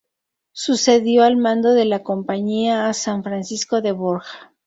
Sucedió al mando de la Compañía a San Francisco de Borja.